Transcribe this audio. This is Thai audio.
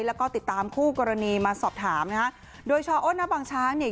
แล้วก็ติดตามคู่กรณีมาสอบถามนะฮะโดยชอ้นหน้าบางช้างเนี่ย